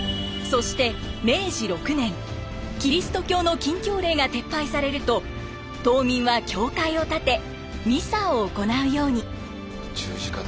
そして明治６年キリスト教の禁教令が撤廃されると島民は教会を建てミサを行うように。